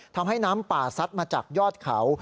ทำให้น้ำป่าซัดมาจากยอดเขา